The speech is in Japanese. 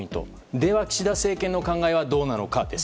では岸田政権の考えがどうなのか。